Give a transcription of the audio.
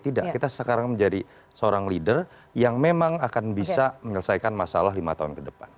tidak kita sekarang menjadi seorang leader yang memang akan bisa menyelesaikan masalah lima tahun ke depan